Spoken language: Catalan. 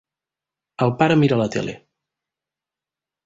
El pare mira la tele.